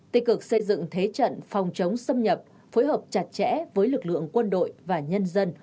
tích cực xây dựng thế trận phòng chống xâm nhập phối hợp chặt chẽ với lực lượng quân đội và nhân dân